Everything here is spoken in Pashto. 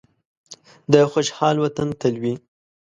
د خوشحال وطن تل وي.